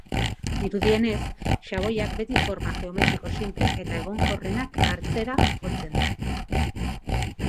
Dirudienez, xaboiak beti forma geometriko sinple eta egonkorrenak hartzera jotzen du.